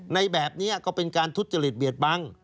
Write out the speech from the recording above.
ในแบบนี้ก็เป็นการทุจริตเบียดบัง